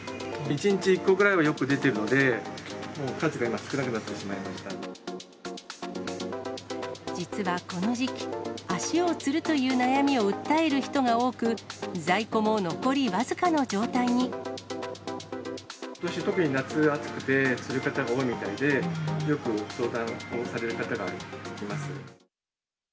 １日１個ぐらいはよく出ているので、数が今、少なくなってしまい実はこの時期、足をつるという悩みを訴える人が多く、ことし、特に夏暑くて、つる方が多いみたいで、よく相談をされる方がいます。